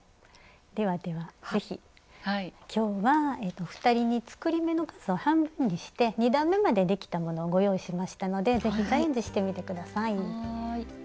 ではでは是非今日はお二人に作り目の数を半分にして２段めまでできたものをご用意しましたので是非チャレンジしてみて下さい。